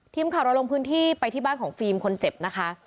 ทีมข่าวเราลงพื้นที่ไปที่บ้านของฟิล์มคนเจ็บนะคะ